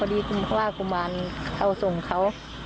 พอดีคนว่ากุมารเอาส่งเขา